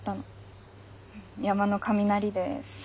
山の雷です